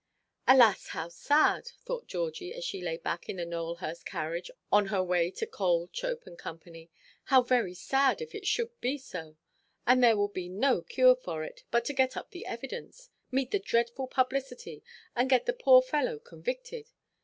"Alas, how sad!" thought Georgie, as she lay back in the Nowelhurst carriage on her way to Cole, Chope, and Co.; "how very sad if it should be so. Then there will be no cure for it, but to get up the evidence, meet the dreadful publicity, and get the poor fellow convicted.